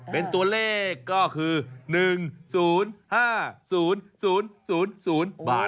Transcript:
เป็นตัวเลขก็คือ๑๐๕๐๐บาท